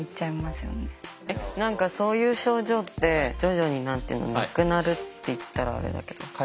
何かそういう症状って徐々になくなるって言ったらあれだけど。